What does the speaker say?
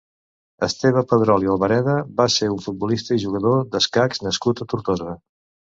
Esteve Pedrol i Albareda va ser un futbolista i jugador d'escacs nascut a Tortosa.